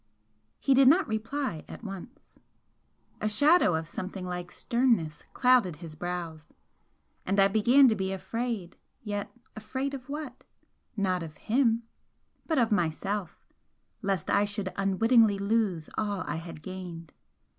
He did not reply at once. A shadow of something like sternness clouded his brows, and I began to be afraid yet afraid of what? Not of him but of myself, lest I should unwittingly lose all I had gained.